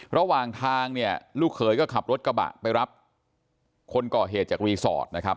ระหว่างทางเนี่ยลูกเขยก็ขับรถกระบะไปรับคนก่อเหตุจากรีสอร์ทนะครับ